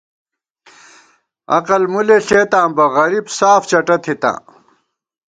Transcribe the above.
عقل مُلے لېئیتاں بہ غریب ساف چٹہ تھِتاں